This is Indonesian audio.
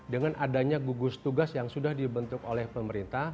dengan adanya gugus tugas yang sudah dibentuk oleh pemerintah